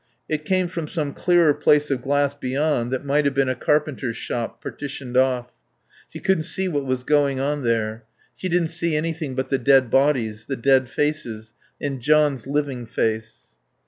It came from some clearer place of glass beyond that might have been a carpenter's shop, partitioned off. She couldn't see what was going on there. She didn't see anything but the dead bodies, the dead faces, and John's living face.